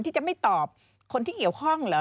ที่จะไม่ตอบคนที่เกี่ยวข้องเหรอ